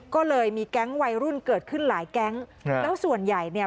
ก็เลยมีแก๊งวัยรุ่นเกิดขึ้นหลายแก๊งครับแล้วส่วนใหญ่เนี่ย